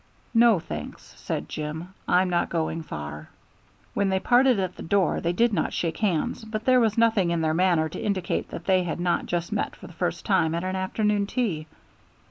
"No, thanks," said Jim; "I'm not going far." When they parted at the door they did not shake hands, but there was nothing in their manner to indicate that they had not just met for the first time at an afternoon tea.